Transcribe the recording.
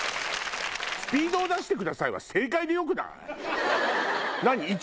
「スピードを出してください」は正解でよくない？